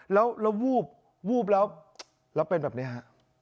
แล้วแล้ววูบวูบแล้วลับเป็นแบบนี้ฮะ